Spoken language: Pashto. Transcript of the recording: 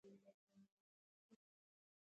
مشګڼې د حیواناتو خواړه دي